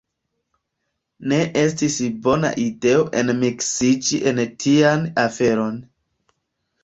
Ne estis bona ideo enmiksiĝi en tian aferon.